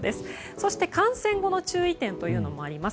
そして感染後の注意点というのもあります。